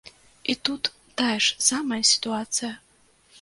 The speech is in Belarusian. І тут тая ж самая сітуацыя.